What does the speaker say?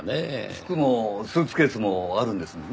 服もスーツケースもあるんですもんね。